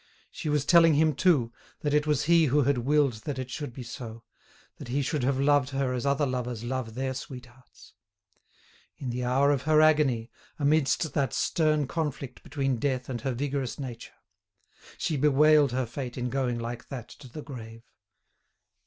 She was telling him, too, that it was he who had willed that it should be so, that he should have loved her as other lovers love their sweethearts. In the hour of her agony, amidst that stern conflict between death and her vigorous nature, she bewailed her fate in going like that to the grave.